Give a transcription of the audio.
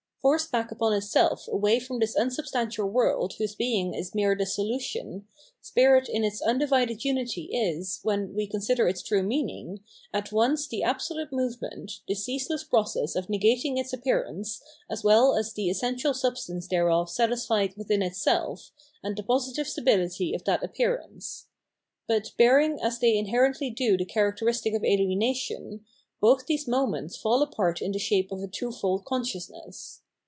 Forced back upon itself away from this unsubstan tial world whose being is mere dissolution, spirit in its undivided unity is, when we consider its true meaning, at once the absolute movement, the ceaseless process of negating its appearance, as well as the essen tial substance thereof satisfied within itself, and the positive stability of that appearance. But, bearing as they inherently do the characteristic of ahenation, both these moments fall apart in the shape of a twofold consciousness.